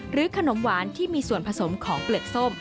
ขนมหวานที่มีส่วนผสมของเปลือกส้ม